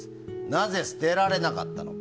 なぜ捨てられなかったのか。